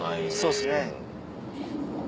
そうですね。